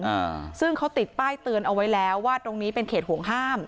อ่าซึ่งเขาติดป้ายเตือนเอาไว้แล้วว่าตรงนี้เป็นเขตห่วงห้าม